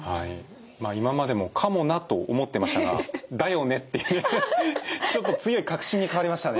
まあ今までも「かもな」と思ってましたが「だよね」っていうちょっと強い確信に変わりましたね。